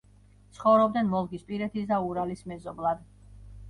ცხოვრობდნენ ვოლგისპირეთის და ურალის მეზობლად.